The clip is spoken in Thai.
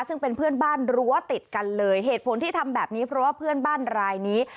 ซึ่งเป็นเพื่อนบ้านรั้วติดกันเลยเหตุผลที่ทำแบบนี้เพราะว่าเพื่อนบ้านรายนี้